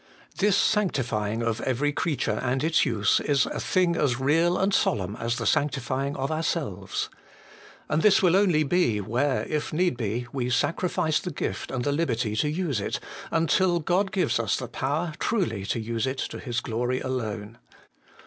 This sanctifying of every creature and its use is a thing as real and solemn as the sanctifying of our selves. And this will only be where, if need be, we sacrifice the gift and the liberty to use it, until God gives us the power truly to use it to His glory alone.